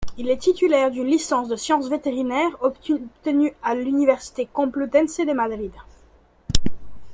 Il est titulaire d'une licence de sciences vétérinaires, obtenue à l'université complutense de Madrid.